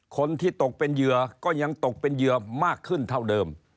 คนที่ตกเป็นเหยื่อก็ยังตกเป็นเหยื่อมากขึ้นเท่าเดิม